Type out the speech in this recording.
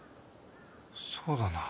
そうだな。